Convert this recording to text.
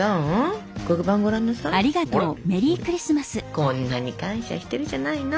こんなに感謝してるじゃないの。